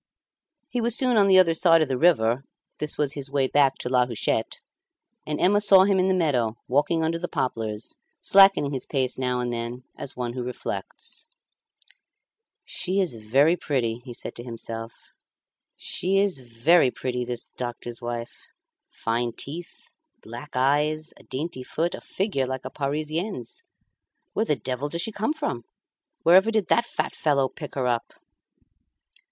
He was soon on the other side of the river (this was his way back to La Huchette), and Emma saw him in the meadow, walking under the poplars, slackening his pace now and then as one who reflects. "She is very pretty," he said to himself; "she is very pretty, this doctor's wife. Fine teeth, black eyes, a dainty foot, a figure like a Parisienne's. Where the devil does she come from? Wherever did that fat fellow pick her up?"